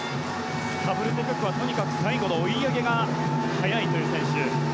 スタブルティ・クックはとにかく最後の追い上げが速い選手。